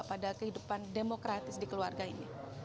pada kehidupan demokratis di keluarga ini